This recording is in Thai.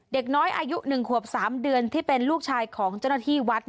เด็กน้อยอายุ๑ขวบ๓เดือนที่เป็นลูกชายของเจ้าหน้าที่วัด